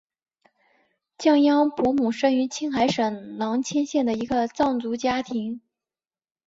降央伯姆生于青海省囊谦县的一个藏族家庭。